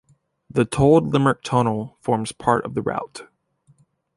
The tolled Limerick Tunnel forms part of the route.